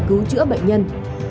và cứu chữa bệnh nhân